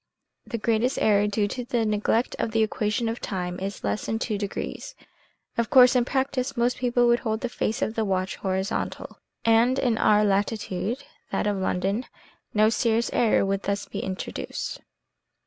The greatest error due to the neglect of the equation of time is less than 2 degrees. Of course, in practice, most people would hold the face of the watch horizontal, and in our latitude (that of London) no serious error would thus be introduced.